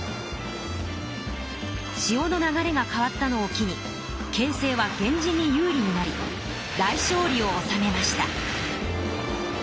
しおの流れが変わったのを機に形勢は源氏に有利になり大勝利をおさめました。